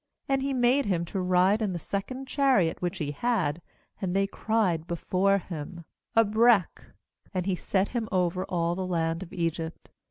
^And he made him to ride in the second chariot which he had; and they cried before him: 'Abrech'; and he set him over all the land of Egypt.